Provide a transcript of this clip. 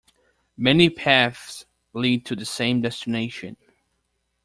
Many paths lead to the same destination.